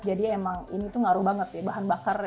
jadi emang ini tuh ngaruh banget ya bahan bakar